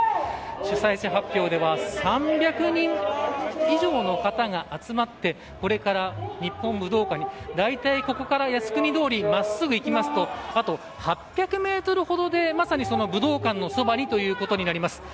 主催者発表では３００人以上の方が集まってこれから日本武道館に大体ここから靖国通りをまっすぐ行きますとあと８００ｍほどでまさに武道館のそばにということになります。